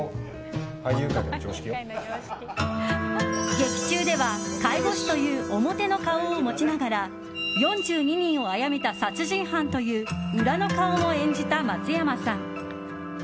劇中では、介護士という表の顔を持ちながら４２人を殺めた殺人犯という裏の顔も演じた松山さん。